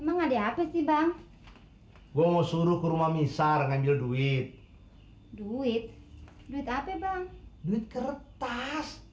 emang ada apa sih bang gua mau suruh ke rumah misal ngambil duit duit duit apa bang duit kertas